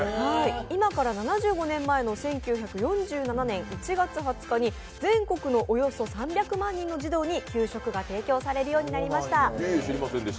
今から７５年前の１９４７年１月２０日に全国のおよそ３００万人の児童に給食が提供されるようになりました。